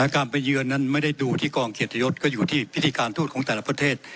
การไปเยือนนั้นไม่ได้ดูที่กองเกียรติยศก็อยู่ที่พิธีการทูตของแต่ละประเทศ